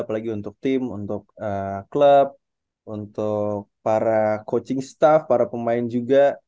apalagi untuk tim untuk klub untuk para coaching staff para pemain juga